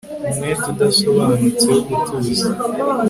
Umwete udasobanutse wo gutuza